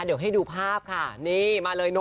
เดี๋ยวให้ดูภาพค่ะนี่มาเลย